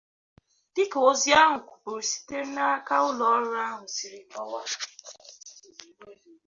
Dịka ozi a kụpụrụ site n'aka ụlọọrụ ahụ siri kọwaa